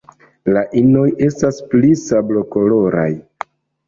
La inoj estas pli sablokoloraj.